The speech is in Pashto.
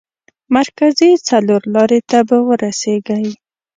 مرکزي څلور لارې ته به ورسېږئ.